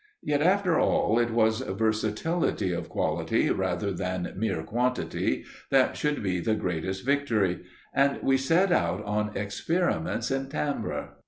Yet, after all, it was versatility of quality, rather than mere quantity, that should be the greatest victory, and we set out on experiments in timbre.